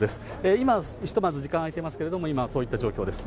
今、ひとまず時間あいてますけれども、今、そういった状況です。